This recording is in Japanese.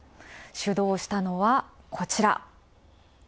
主導したのは、こちら。